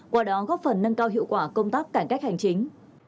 qua đó góp phần nâng cao hiệu quả công tác cải cách hành chính